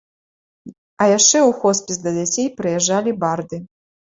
А яшчэ ў хоспіс да дзяцей прыязджалі барды.